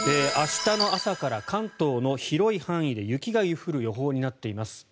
明日の朝から関東の広い範囲で雪が降る予報となっています。